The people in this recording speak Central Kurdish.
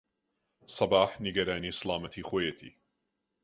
سەباح نیگەرانی سەلامەتیی خۆیەتی.